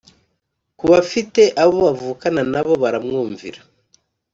Ku bafite abo bavukana na bo baramwumvira